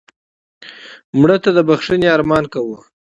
مړه ته د بښنې ارمان کوو